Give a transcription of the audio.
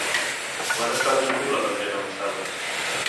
Quan es va descobrir la pedrera on estava?